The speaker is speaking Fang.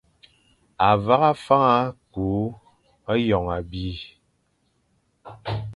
A hagha fana ku hyôm abî,